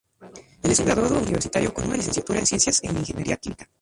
Él es un graduado universitario con una licenciatura en ciencias en ingeniería química.